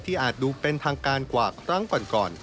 ที่อาจดูเป็นทางการกวาก